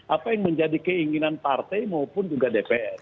apa yang menjadi keinginan partai maupun juga dpr